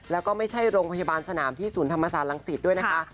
แล้วก็ไม่ใช่โรงพยาบาลสนามที่ศูนย์ธรรมศาสตรังสิตด้วยนะคะ